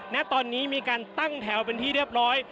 ณตอนนี้มีการตั้งแถวเป็นที่เรียบร้อย